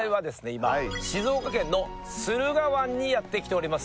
今静岡県の駿河湾にやって来ております